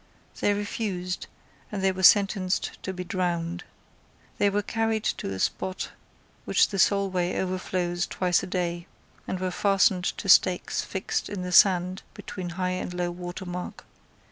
They refused; and they were sentenced to be drowned. They were carried to a spot which the Solway overflows twice a day, and were fastened to stakes fixed in the sand between high and low water mark.